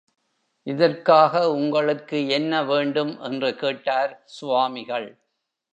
இதற்காக உங்களுக்கு என்ன வேண்டும்? என்று கேட்டார் சுவாமிகள்.